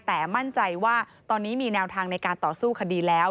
แต่มั่นใจว่าตอนนี้มีแนวทางในการต่อสู้คดีแล้ว